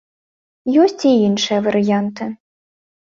Ёсць і іншыя варыянты.